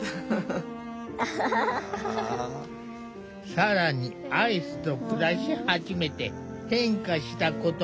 更にアイスと暮らし始めて変化したことが。